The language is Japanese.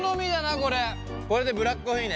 これでブラックコーヒーね。